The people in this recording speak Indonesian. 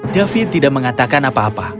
david tidak mengatakan apa apa